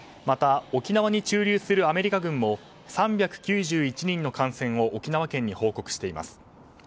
また、沖縄に駐留するアメリカ軍も３９１人の感染を沖縄県に報告しています。